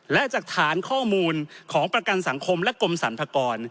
และจากฐานข้อมูลของประกันสังคมและกรมสรรพากร